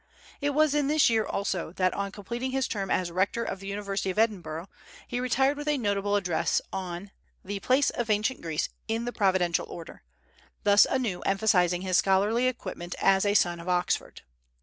It was in this year also that on completing his term as Rector of the University of Edinburgh he retired with a notable address on the "Place of Ancient Greece in the Providential Order;" thus anew emphasizing his scholarly equipment as a son of Oxford.